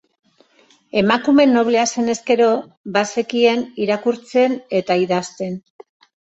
Emakume noblea zenez gero, bazekien irakurtzen eta idazten.